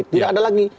tidak ada lagi